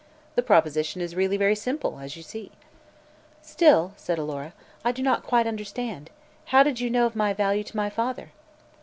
The proposition is really very simple, as you see." "Still," said Alora, "I do not quite understand. How did you know of my value to my father?"